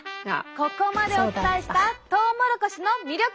ここまでお伝えしたトウモロコシの魅力。